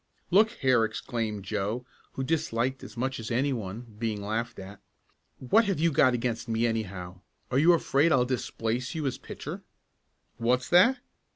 "Look here!" exclaimed Joe, who disliked as much as any one being laughed at, "what have you got against me, anyhow? Are you afraid I'll displace you as pitcher?" "What's that?